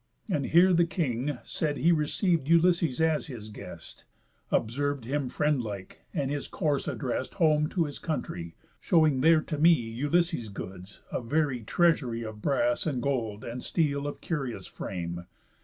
And here the king Said, he receiv'd Ulysses as his guest, Observ'd him friend like, and his course addrest Home to his country, showing there to me Ulysses' goods, a very treasury Of brass, and gold, and steel of curious frame.